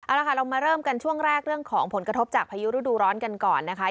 เอาละค่ะเรามาเริ่มกันช่วงแรกเรื่องของผลกระทบจากพายุฤดูร้อนกันก่อนนะคะ